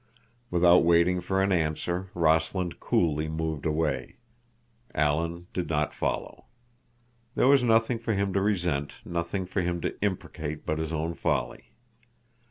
Without waiting for an answer Rossland coolly moved away. Alan did not follow. There was nothing for him to resent, nothing for him to imprecate but his own folly.